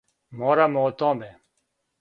Морамо о томе?